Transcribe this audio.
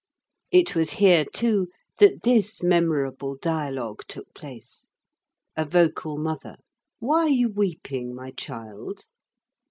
It was here, too, that this memorable dialogue took place:— A Vocal Mother. Why are you weeping, my child?